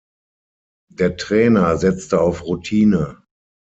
Der Trainer setzte auf Routine.